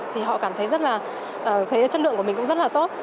thì họ cảm thấy rất là thấy chất lượng của mình cũng rất là tốt